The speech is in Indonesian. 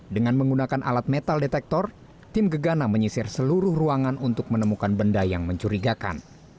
dengan menggunakan alat metal detektor tim gegana menyisir seluruh ruangan untuk menemukan benda yang mencurigakan